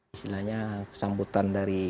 istilahnya kesambutan dari